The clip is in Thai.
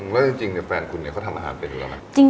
แล้วจริงแฟนคุณเขาทำอาหารเป็นอยู่แล้วไหม